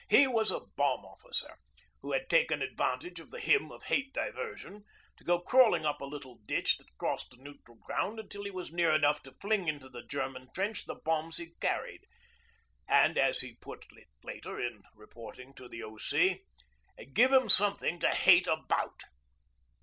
He was the 'bomb officer' who had taken advantage of the 'Hymn of Hate' diversion to go crawling up a little ditch that crossed the neutral ground until he was near enough to fling into the German trench the bombs he carried, and, as he put it later in reporting to the O.C., 'give 'em something to hate about.'